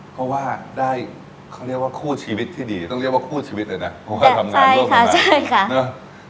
เพราะว่าได้เขาเรียกว่าคู่ชีวิตที่ดีต้องเรียกว่าคู่ชีวิตเลยนะเพราะว่าทำงานด้วยใช่ค่ะใช่ค่ะ